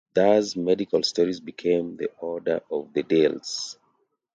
Thus medical stories became the order in "The Dales".